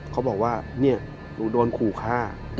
เขาบอกว่าหนูโดนขู่ฆ่า